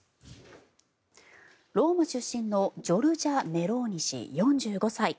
ローマ出身のジョルジャ・メローニ氏４５歳。